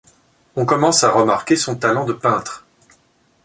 On commence à remarquer son talent de peintre.